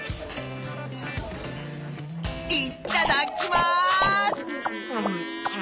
いっただきます！